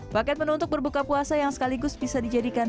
paket menu untuk berbuka puasa yang sekaligus bisa dijadikan